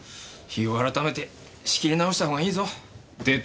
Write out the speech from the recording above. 日を改めて仕切り直したほうがいいぞ。